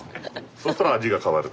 そしたら味が変わる。